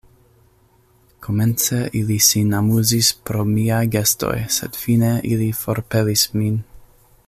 Komence ili sin amuzis pro miaj gestoj, sed fine ili forpelis min.